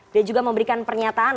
dan juga memberikan pernyataan